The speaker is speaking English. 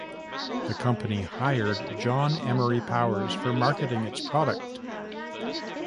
The company hired John Emory Powers for marketing its product.